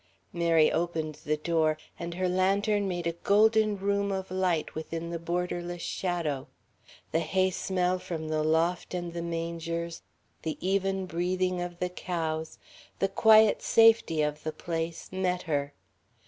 Mary opened the door, and her lantern made a golden room of light within the borderless shadow. The hay smell from the loft and the mangers, the even breathing of the cows, the quiet safety of the place, met her.